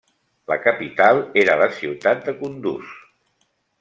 La capital era la ciutat de Kunduz.